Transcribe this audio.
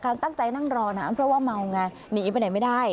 ตั้งใจนั่งรอน้ำเพราะว่าเมาไงหนีไปไหนไม่ได้